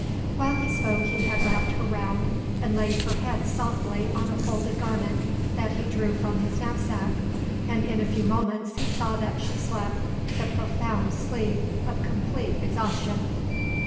While he spoke he had wrapped her round and laid her head softly on a folded garment that he drew from his knapsack; and in a few moments he saw that she slept, the profound sleep of complete exhaustion.